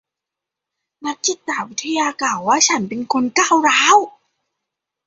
นักจิตวิทยากล่าวว่าฉันเป็นคนก้าวร้าว